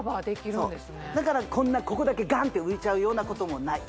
そうだからこんなここだけガンって浮いちゃうようなこともない